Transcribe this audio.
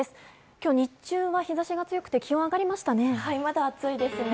今日日中は日差しが強くて気温が上がりましたね。